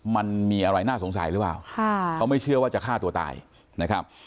มันมีอะไรน่าสงสัยหรือเปล่าเขาไม่เชื่อว่าจะฆ่าตัวตายนะครับ